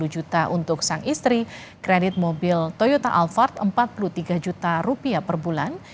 dua puluh juta untuk sang istri kredit mobil toyota alphard rp empat puluh tiga juta rupiah per bulan